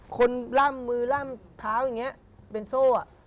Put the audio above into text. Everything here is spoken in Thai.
ล่ำมือล่ำเท้าอย่างนี้เป็นโซ่